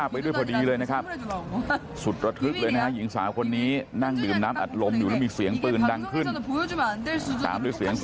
มันสงสอบมันสงสอบหรือเปล่า